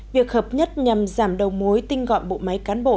việc hợp nhất nhằm giảm đầu mối tinh gọn bộ máy cán bộ